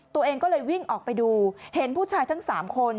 ตัวเองก็เลยวิ่งออกไปดูเห็นผู้ชายทั้ง๓คน